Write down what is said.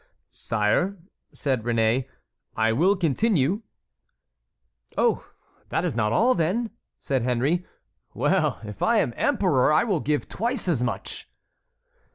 "Sire," said Réné, "I will continue." "Oh, that is not all, then?" said Henry. "Well, if I am emperor, I will give twice as much."